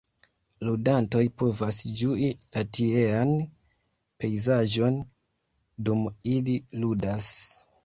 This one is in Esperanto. Ludantoj povas ĝui la tiean pejzaĝon, dum ili ludas.